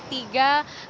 kemudian masuk kembali